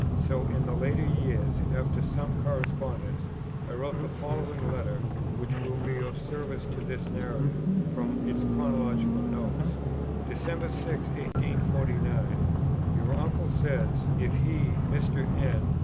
So, in the latter year, after some correspondence, I wrote the following letter, which will be of service to this narrative, from its chronological notes: "Dec. 6, 1849. Your uncle says, 'If he (Mr. N.)